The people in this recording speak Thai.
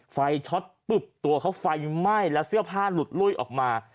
ไฟช็อตปุ๊บตัวเขาไฟไหม้แล้วเสื้อผ้าหลุดลุ้ยออกมา